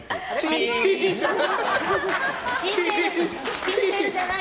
チーンじゃない！